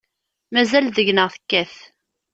Mazal deg-neɣ tekkat.